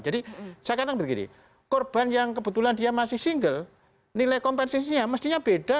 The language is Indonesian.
jadi saya katakan begini korban yang kebetulan dia masih single nilai kompensasinya mestinya beda